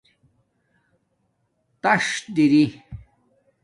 تݳس دری